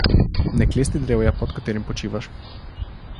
Ne klesti drevja pod katerim počivaš.